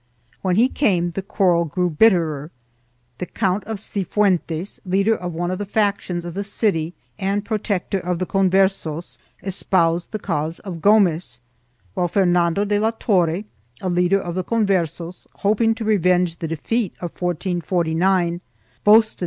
When he came the quarrel grew bitterer; the Count of Cifuentes, leader of one of the factions of the city and protector of the Converses, espoused the cause of Gomez, while Fernando de la Torre, a leader of the Converses, hoping to revenge the defeat of 1449, boasted that he had at command four thousand well 1 Raynald.